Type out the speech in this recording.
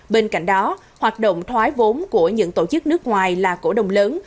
bên cạnh đó hoạt động thoái vốn của những tổ chức nước ngoài là cổ đồng lớn